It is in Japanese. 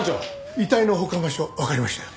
遺体の保管場所わかりましたよ。